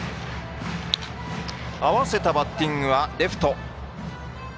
合わせたバッティングはレフト。